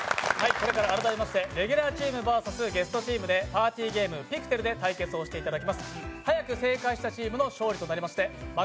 これから改めましてレギュラーチームＶＳゲストチームでパーティーゲーム、「ピクテル」で対決をしていただきます。